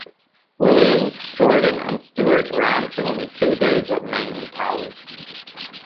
Williams, Jordan and Stewart ran for only two days at Magny-Cours.